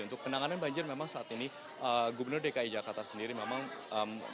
untuk penanganan banjir memang saat ini gubernur dki jakarta sendiri memang